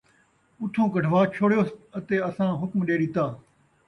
اُتھوں کڈھوا چھوڑیُس! اَتے اَساں حکم ݙے ݙِتا